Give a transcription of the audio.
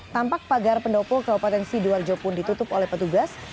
tampak pagar pendopo kabupaten sidoarjo pun ditutup oleh petugas